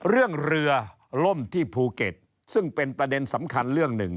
เรื่องเรือล่มที่ภูเก็ตซึ่งเป็นประเด็นสำคัญเรื่องหนึ่ง